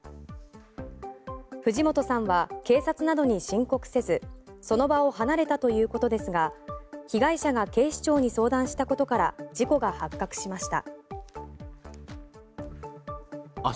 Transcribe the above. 藤本さんは警察などに申告せずその場を離れたということですが被害者が警視庁に相談したことから事故が発覚しました。